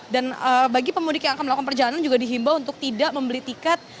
dan bagi pemudik yang akan melakukan perjalanan juga dihimbau untuk tidak membeli tiket